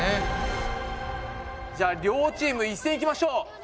じゃあ両チーム一斉にいきましょう。